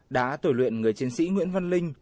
đã tuổi luyện người chiến sĩ nguyễn văn linh